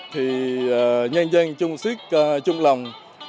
thì nhân dân chung suyết chung lòng